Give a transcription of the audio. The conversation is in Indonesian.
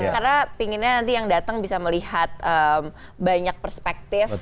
karena pinginnya nanti yang datang bisa melihat banyak perspektif